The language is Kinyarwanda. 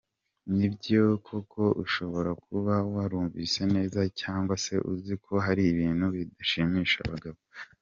Nibyo koko ushobora kuba warumvise neza cyangwa se uzi ko hari ibintu bidashimisha abagabo.